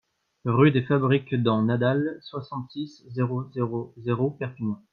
Rue des Fabriques d'en Nadals, soixante-six, zéro zéro zéro Perpignan